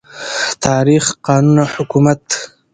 تاریخ، قانون او حکومت